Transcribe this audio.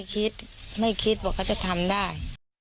คิดไม่คิดว่าเขาจะทำได้